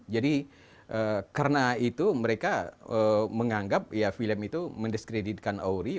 jadi karena itu mereka menganggap film itu mendiskreditkan auri